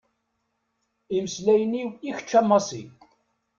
Imeslayen-iw i kečč a Masi.